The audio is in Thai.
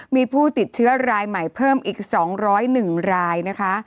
มีผู้ติดเชื้อรายใหม่เพิ่มอีก๒๐๑รายนะคะ